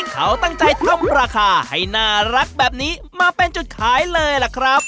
เขาตั้งใจทำราคาให้น่ารักแบบนี้มาเป็นจุดขายเลยล่ะครับ